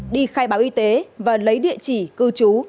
đi khai báo y tế và lấy địa chỉ cư trú